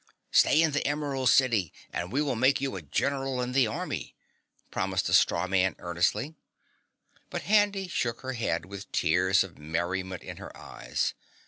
"Stay in the Emerald City and we will make you a general in the army," promised the straw man earnestly. But Handy shook her head with tears of merriment in her eyes.